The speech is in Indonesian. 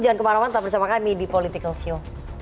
jangan kemarau marau tetap bersama kami di politikalsio